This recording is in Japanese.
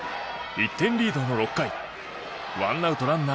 １点リードの６回１アウトランナー